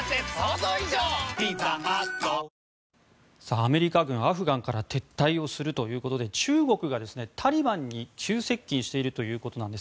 アメリカ軍がアフガンから撤退をするということで中国がタリバンに急接近しているということなんです。